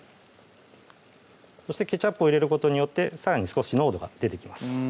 ケチャップを入れることによってさらに少し濃度が出てきます